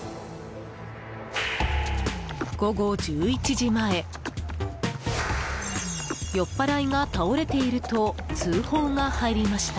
午後１１時前酔っ払いが倒れていると通報が入りました。